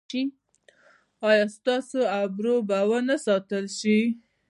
ایا ستاسو ابرو به و نه ساتل شي؟